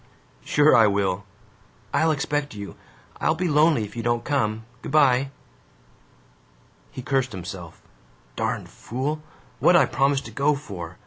"Sure I will!" "I'll expect you. I'll be lonely if you don't come! Good by." He cursed himself: "Darned fool, what 'd I promise to go for?